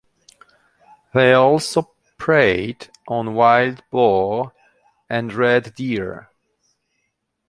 They also preyed on wild boar and red deer.